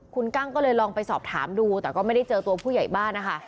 คุณกั้งก็เลยลองไปสอบถามดูแต่ก็ไม่ได้เจอตัวผู้ใหญ่บ้านนะคะ